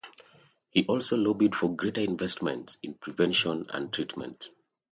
He also lobbied for greater investments in prevention and treatment.